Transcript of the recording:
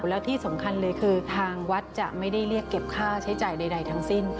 แล้วที่สำคัญเลยคือทางวัดจะไม่ได้เรียกเก็บค่าใช้จ่ายใดทั้งสิ้น